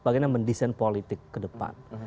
karena mendesain politik ke depan